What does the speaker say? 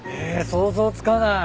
想像つかない。